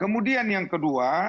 kemudian yang kedua